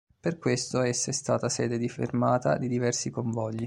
Per questo essa è stata sede di fermata di diversi convogli.